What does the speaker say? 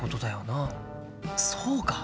そうか！